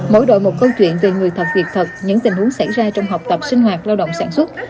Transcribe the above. mỗi đội một câu chuyện về người thật việc thật những tình huống xảy ra trong học tập sinh hoạt lao động sản xuất